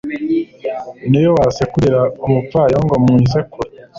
n'iyo wasekurira umupfayongo mu isekuru